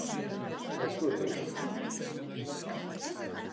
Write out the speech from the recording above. Kas notiek?